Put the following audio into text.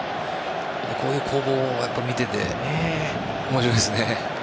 こういう攻防は見てて面白いですね。